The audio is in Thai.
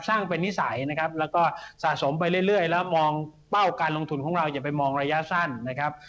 สร้างเป็นนิสัยนะครับแล้วก็สะสมไปเรื่อยแล้วมองเป้าการลงทุนของเราอย่าไปมองระยะสั้นนะครับ